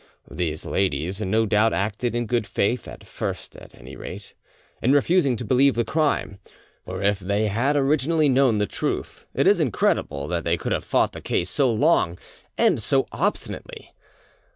These ladies no doubt acted in good faith, at first at any rate, in refusing to believe the crime; for if they had originally known the truth it is incredible that they could have fought the case so long aid so obstinately.